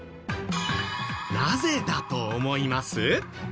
なぜだと思います？